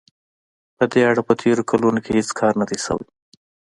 په دې اړه په تېرو کلونو کې هېڅ کار نه دی شوی.